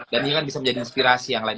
dan ini kan bisa menjadi inspirasi yang lain